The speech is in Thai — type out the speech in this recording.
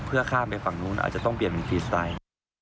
เพื่อข้ามไปฝั่งนู้นอาจจะต้องเปลี่ยนเป็นพรีสไตล์